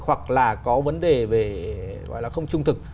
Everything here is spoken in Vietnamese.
hoặc là có vấn đề không trung thực